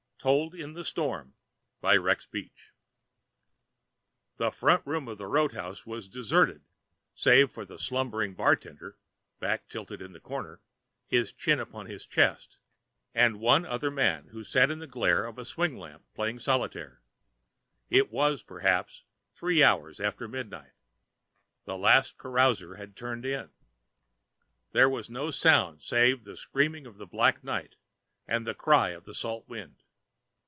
TOLD IN THE STORM The front room of the roadhouse was deserted save for the slumbering bartender, back tilted in a corner, his chin upon his chest, and one other man who sat in the glare of a swing lamp playing solitaire. It was, perhaps, three hours after midnight. The last carouser had turned in. There was no sound save the scream of the black night and the cry of the salt wind.